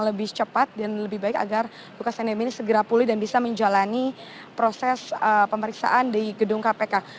lebih cepat dan lebih baik agar lukas nm ini segera pulih dan bisa menjalani proses pemeriksaan di gedung kpk